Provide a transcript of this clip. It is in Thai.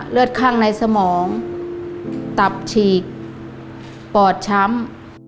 เลือดข้างในสมองตับฉีกปอดช้ำ